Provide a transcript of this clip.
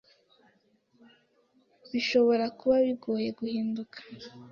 bishobora kuba bigoye guhinduka,